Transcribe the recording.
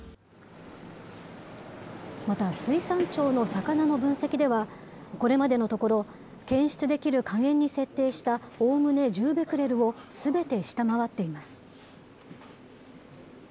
また水産庁の魚の分析では、これまでのところ、検出できる下限に設定したおおむね１０ベクレルをすべて下回っています。